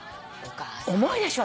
重いでしょ。